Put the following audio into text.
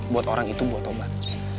buat orang itu buat obat